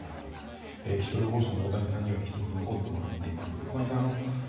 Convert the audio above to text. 気象予報士の太谷さんには引き続き残ってもらっています。